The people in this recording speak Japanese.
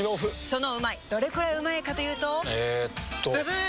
そのうまいどれくらいうまいかというとえっとブブー！